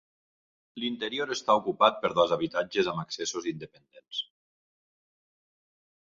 L'interior està ocupat per dos habitatges amb accessos independents.